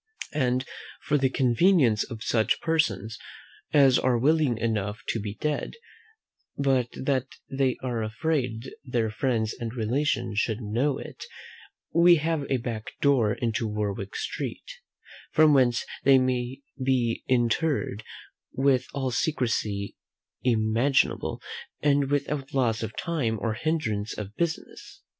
And, for the convenience of such persons as are willing enough to be dead, but that they are afraid their friends and relations should know it, we have a back door into Warwick Street, from whence they may be interred with all secrecy imaginable, and without loss of time or hindrance of business.